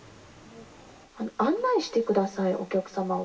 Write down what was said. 案内してください、お客様を。